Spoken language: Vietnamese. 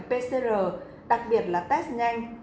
pcr đặc biệt là test nhanh